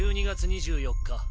１２月２４日